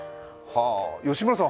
吉村さん